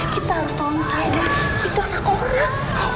kita harus tolong saya itu anak orang